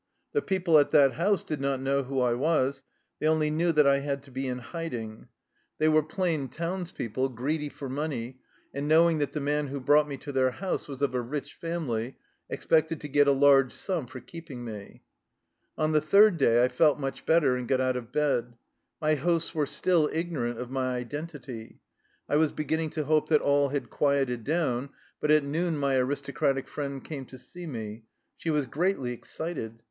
The people at that house did not know who I was ; they only knew that I had to be in hiding. They were 213 THE LIFE STORY OF A RUSSIAN EXILE plain townspeople, greedy for money^ and know ing that the man who brought me to their house was of a rich family, expected to get a large sum for keeping me. On the third day I felt much better, and got out of bed. My hosts were still ignorant of my identity. I was beginning to hope that all had quieted down. But at noon my aristocratic friend came to see me. She was greatly excited.